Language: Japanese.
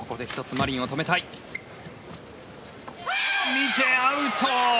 見て、アウト！